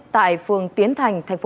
tại phường tiến thành tp đà lạt